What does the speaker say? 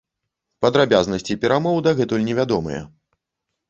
Падрабязнасці перамоў дагэтуль невядомыя.